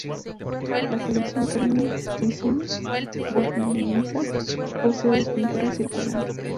La Colección Carmen Thyssen-Bornemisza posee dos pinturas circulares.